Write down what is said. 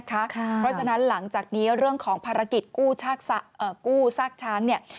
เพราะฉะนั้นหลังจากนี้เรื่องของภารกิจกู้ซากช้างเนี่ย